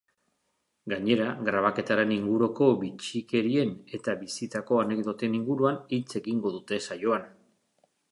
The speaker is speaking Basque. Gainera, grabaketaren inguruko bitxikerien eta bizitako anekdoten inguruan hitz egingo dute saioan.